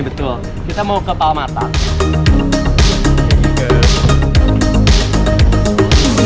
jadi kita harus ke kulawan mama tak terlalu lama